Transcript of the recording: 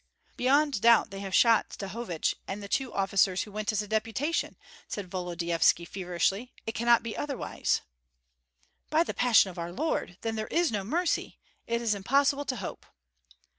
"Beyond doubt they have shot Stahovich and the two officers who went as a deputation," said Volodyovski, feverishly. "It cannot be otherwise!" "By the passion of our Lord! Then there is no mercy. It is impossible to hope."